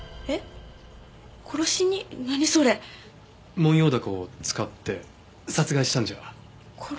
モンヨウダコを使って殺害したんじゃ。